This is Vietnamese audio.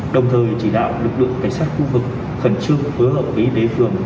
đồng thời chỉ đạo lực lượng cảnh sát khu vực khẩn trương phối hợp với đế phường